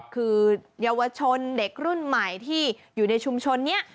คือเยาวชนเด็กรุ่นใหม่ที่อยู่ในชุมชนนี้